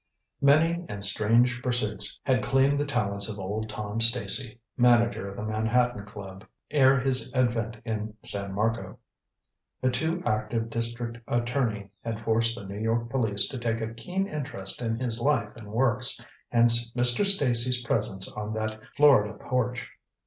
Many and strange pursuits had claimed the talents of old Tom Stacy, manager of the Manhattan Club, ere his advent in San Marco. A too active district attorney had forced the New York police to take a keen interest in his life and works, hence Mr. Stacy's presence on that Florida porch.